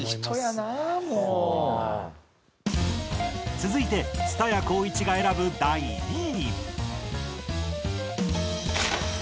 続いて蔦谷好位置が選ぶ第２位。